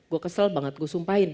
gue kesel banget gue sumpahin